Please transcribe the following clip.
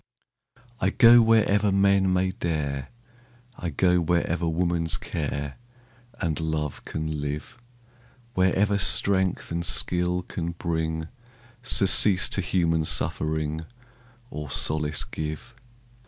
I go wherever men may dare, I go wherever woman's care And love can live, Wherever strength and skill can bring Surcease to human suffering, Or solace give.